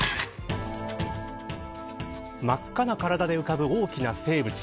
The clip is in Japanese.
真っ赤な体で浮かぶ大きな生物。